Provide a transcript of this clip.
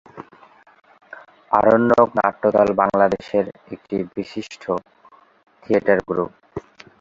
আরণ্যক নাট্যদল বাংলাদেশের একটি বিশিষ্ট থিয়েটার গ্রুপ।